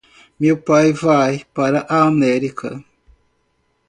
Meu pai vai para a América.